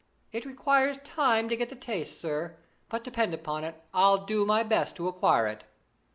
It requires time to get the taste, sir; but, depend upon it, I'll do my best to acquire it.'